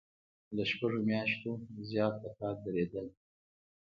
له شپږو میاشتو زیات د کار دریدل.